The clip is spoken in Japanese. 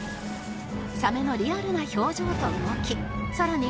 サメのリアルな表情と動きさらに